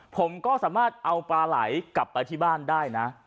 ผมก็สามารถเอาปลาไหลกลับไปที่บ้านได้นะ